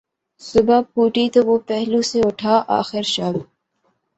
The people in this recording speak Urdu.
صبح پھوٹی تو وہ پہلو سے اٹھا آخر شب